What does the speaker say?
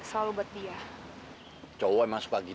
sampai jumpa lagi